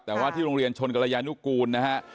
แต่ว่าที่โรงเรียนชนกรยานุกูลนะฮะ